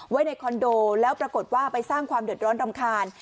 ไว้ในคอนโดและปรากฏว่าไปสร้างความเดือดร้อนตามคลาน